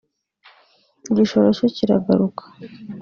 igishoro cyo kiragaruka